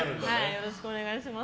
よろしくお願いします。